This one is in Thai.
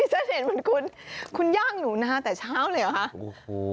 ฉันเห็นเหมือนคุณคุณย่างหนูนาแต่เช้าเลยเหรอคะโอ้โห